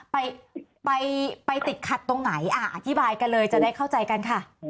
ไปไปติดขัดตรงไหนอ่ะอธิบายกันเลยจะได้เข้าใจกันค่ะ